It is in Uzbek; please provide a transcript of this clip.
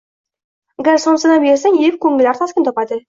Agar somsadan bersang, yeb koʻngillari taskin topadi